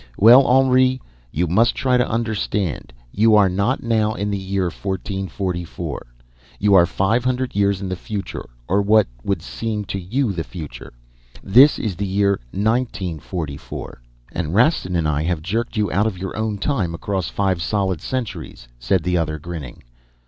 'Well, Henri, you must try to understand. You are not now in the year 1444. You are five hundred years in the future, or what would seem to you the future. This is the year 1944.' "'And Rastin and I have jerked you out of your own time across five solid centuries,' said the other, grinning.